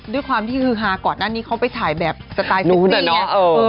ด้วยความที่ฮาก่อนอันนี้เขาไปถ่ายแบบสไตล์ฟิตซี่